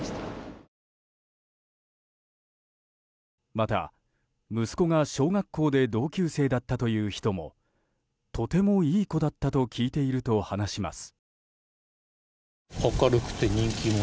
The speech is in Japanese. また、息子が小学校で同級生だったという人もとてもいい子だったと聞いていると話します。